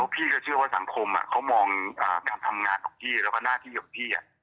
ขนาดทำงานพี่และหน้าที่ของพี่